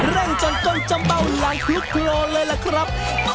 เร่งจนกล้องจำเป้าหลังทุกคนเลยแหละครับ